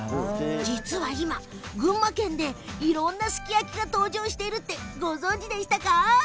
実は今群馬県でいろんなすき焼きが登場しているってご存じでしたか？